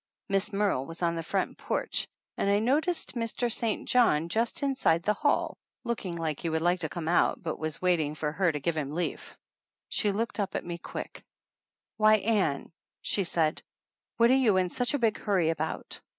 Miss Merle was on the front porch and I no ticed Mr. St. John just inside the hall, looking like he would like to come out, but was waiting for her to give him lief. She looked up at me quick. 197 THE ANNALS OF ANN "Why, Ann," she said, "what are you in such a big hurry about?"